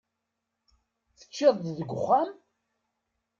Teččiḍ-d deg uxxam?